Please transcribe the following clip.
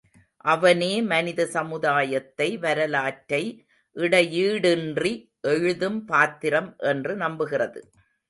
அவனே மனித சமுதாயத்தை வரலாற்றை இடையீடின்றி எழுதும் பாத்திரம் என்று நம்புகிறது.